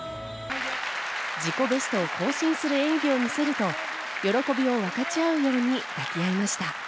自己ベストを更新する演技を見せると、喜びを分かち合うように抱き合いました。